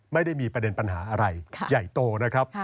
ไม่ได้มีประเด็นปัญหาอะไรใหญ่โตนะครับ